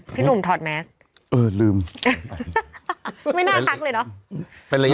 พี่หนุ่มถอดแมสเออลืมไม่น่าทักเลยเนอะ